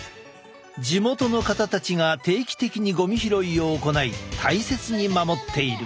地元の方たちが定期的にゴミ拾いを行い大切に守っている。